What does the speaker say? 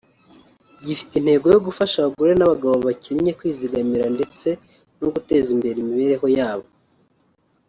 gifite intego yo gufasha abagore n’abagabo bakennye kwizigamira ndetse no guteza imbere imibereho yabo